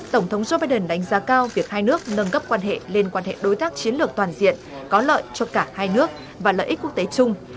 tổng thống joe biden đánh giá cao việc hai nước nâng cấp quan hệ lên quan hệ đối tác chiến lược toàn diện có lợi cho cả hai nước và lợi ích quốc tế chung